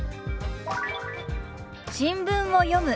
「新聞を読む」。